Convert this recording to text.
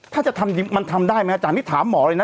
ถ้าจะทำมันทำได้ไหมอาจารย์นี่ถามหมอเลยนะ